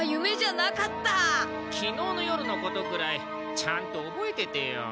きのうの夜のことくらいちゃんと覚えててよ。